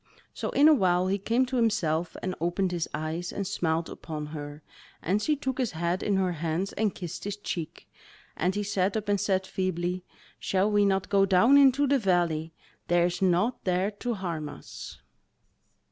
So in a while he came to himself and opened his eyes and smiled upon her, and she took his head in her hands and kissed his cheek, and he sat up and said feebly: "Shall we not go down into the valley? there is naught there to harm us."